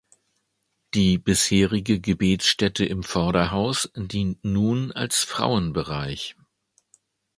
Die bisherige Gebetsstätte im Vorderhaus dient nun als Frauenbereich.